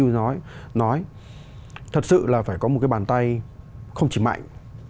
nói nói thật sự là phải có một cái bàn tay không chỉ mạnh